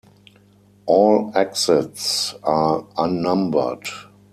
All exits are unnumbered.